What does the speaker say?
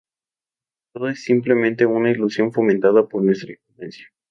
Todo es simplemente una ilusión fomentada por nuestra ignorancia.